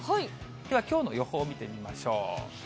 では、きょうの予報見てみましょう。